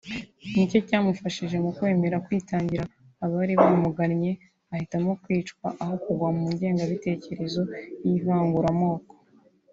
nicyo cyamufashije mu kwemera kwitangira abari baramugannye ahitamo kwicwa aho kugwa mu ngengabitekerezo y’ivanguramoko